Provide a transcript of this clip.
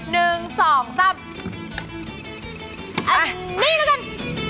นี่ด้วยกัน